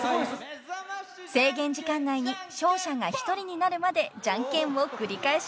［制限時間内に勝者が１人になるまでじゃんけんを繰り返します］